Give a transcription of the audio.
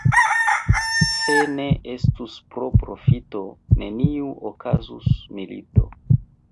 Se ne estus pro profito, nenie okazus milito.